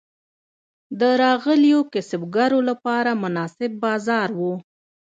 د راغلیو کسبګرو لپاره مناسب بازار و.